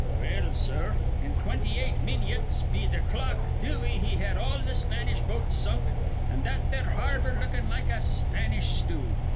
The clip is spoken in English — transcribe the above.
"Well, sir, in twinty eight minyits be th' clock Dewey he had all th' Spanish boats sunk, an' that there harbor lookin' like a Spanish stew.